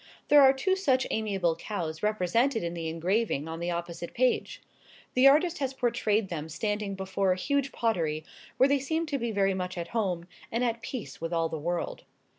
There are two such amiable cows represented in the engraving on the opposite page. The artist has portrayed them standing before a huge pottery, where they seem to be very much at home, and at peace with all the world.